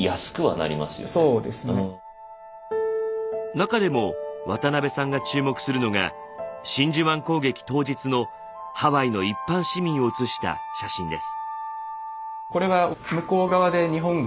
なかでも渡邉さんが注目するのが真珠湾攻撃当日のハワイの一般市民を写した写真です。